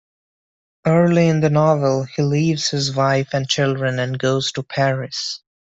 Early in the novel, he leaves his wife and children and goes to Paris.